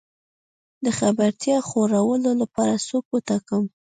د خبرتيا خورولو لپاره څوک وټاکم؟